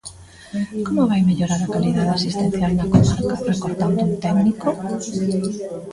¿Como vai mellorar a calidade asistencial na comarca recortando un técnico?